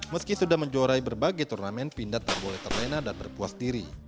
meski sudah menjuarai berbagai turnamen pindad tak boleh terlena dan berpuas diri